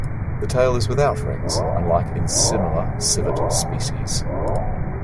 The tail is without rings, unlike in similar civet species.